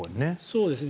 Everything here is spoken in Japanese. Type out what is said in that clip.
そうですね。